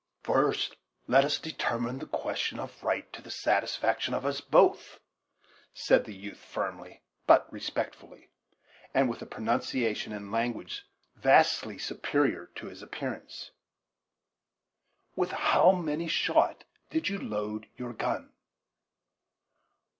"First let us determine the question of right to the satisfaction of us both," said the youth firmly but respect fully, and with a pronunciation and language vastly superior to his appearance: "with how many shot did you load your gun?"